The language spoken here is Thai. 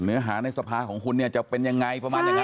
เนื้อหาในสภาของคุณเนี่ยจะเป็นยังไง